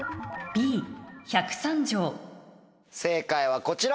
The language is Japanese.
正解はこちら。